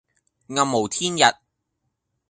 暗無天日